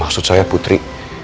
masuk saya putri